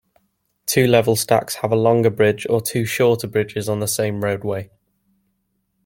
Two-level stacks have a longer bridge or two shorter bridges on the same roadway.